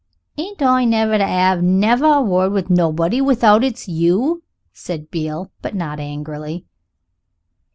"Ain't I never to 'ave never a word with nobody without it's you?" said Beale, but not angrily.